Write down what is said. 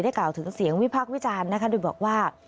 กล่าวถึงเสียงวิพากษ์วิจารณ์นะคะโดยบอกว่า